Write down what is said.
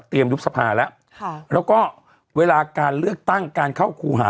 ยุบสภาแล้วค่ะแล้วก็เวลาการเลือกตั้งการเข้าครูหา